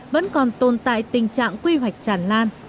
vẫn còn tồn tại tình trạng quy hoạch tràn lan